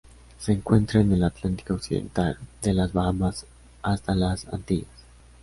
Se encuentra en el Atlántico occidental: desde las Bahamas hasta las Antillas.